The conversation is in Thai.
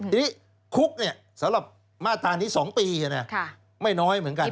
ทีนี้คุกสำหรับมาตรานี้๒ปีไม่น้อยเหมือนกัน